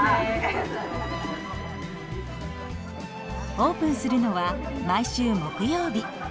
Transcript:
オープンするのは毎週木曜日。